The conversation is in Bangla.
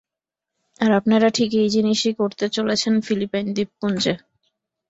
আর আপনারা ঠিক এই জিনিষই করতে চলেছেন ফিলিপাইন দ্বীপপুঞ্জে।